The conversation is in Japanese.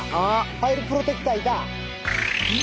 パイルプロテクターいた？